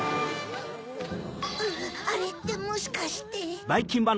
あれってもしかして。